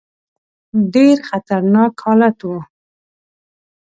ډېر خطرناک حالت وو.